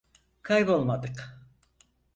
Kaybolmadık.